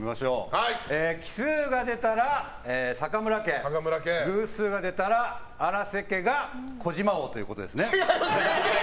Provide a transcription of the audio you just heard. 奇数が出たら坂村家偶数が出たら荒瀬家が児嶋王ということですね。